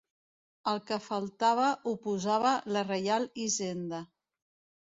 El que faltava ho posava la Reial Hisenda.